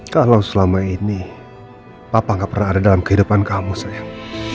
kalau selama ini papa gak pernah ada dalam kehidupan kamu sayang